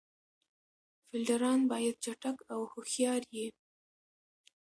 فیلډران باید چټک او هوښیار يي.